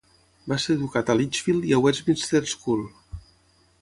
Va ser educat a Lichfield i a Westminster School.